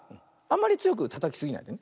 あんまりつよくたたきすぎないで。